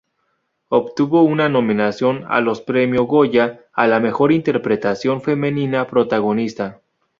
Obtuvo una nominación a los Premio Goya a la mejor interpretación femenina protagonista.